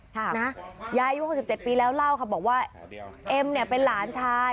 ยายอายุ๖๗ปีแล้วเล่าค่ะบอกว่าเอ็มเนี่ยเป็นหลานชาย